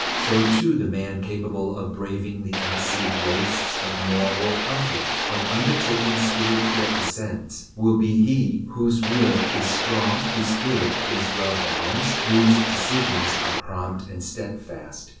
So, too, the man capable of braving the icy wastes of moral conflict, of undertaking spiritual ascents, will be he whose will is strong, whose spirit is well balanced, whose decisions are prompt and stedfast.